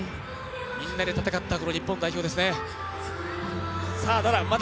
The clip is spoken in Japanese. みんなで戦った日本代表ですね。